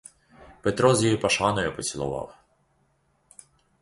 Петро її з пошаною поцілував.